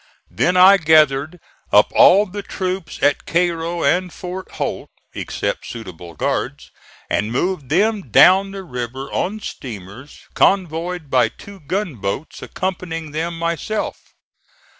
Then I gathered up all the troops at Cairo and Fort Holt, except suitable guards, and moved them down the river on steamers convoyed by two gunboats, accompanying them myself.